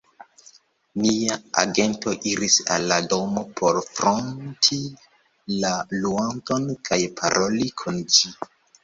nia agento iris al la domo por fronti la luanton kaj paroli kun ĝi.